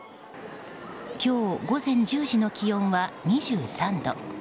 今日午前１０時の気温は２３度。